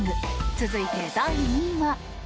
続いて第２位は。